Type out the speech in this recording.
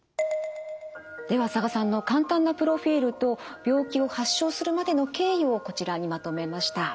では佐賀さんの簡単なプロフィールと病気を発症するまでの経緯をこちらにまとめました。